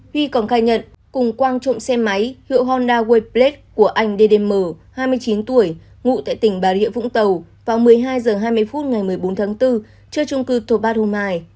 huy còn khai nhận cùng quang trộm xe máy hiệu honda wayblade của anh ddm hai mươi chín tuổi ngụ tại tỉnh bà rịa vũng tàu vào một mươi hai h hai mươi phút ngày một mươi bốn tháng bốn trước trung cư tô pát hôm hai